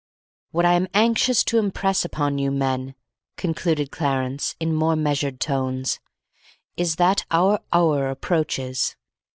"What I am anxious to impress upon you men," concluded Clarence, in more measured tones, "is that our hour approaches.